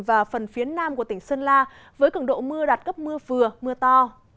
và phần phía nam của tỉnh sơn la với cường độ mưa đạt cấp mưa vừa mưa to